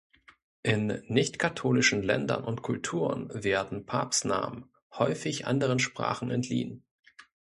In nicht-katholischen Ländern und Kulturen werden Papstnamen häufig anderen Sprachen entliehen.